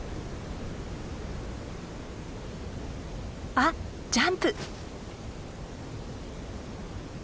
あっジャンプ！